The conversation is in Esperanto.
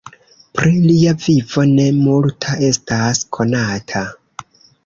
Pri lia vivo ne multa estas konata.